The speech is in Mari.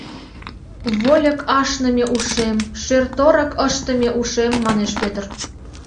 — Вольык ашныме ушем, шӧр-торык ыштыме ушем... — манеш Пӧтыр.